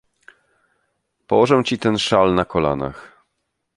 Położę ci ten szal na kolanach.